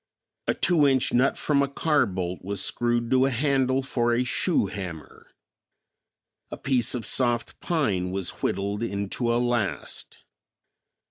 A two inch nut from a car bolt was screwed to a handle for a shoe hammer. A piece of soft pine was whittled into a last.